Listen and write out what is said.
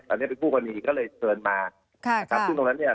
อันนี้เป็นผู้กรณีก็เสือกมาซึ่งตรงนั้นเนี่ย